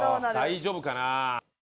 大丈夫かなあ？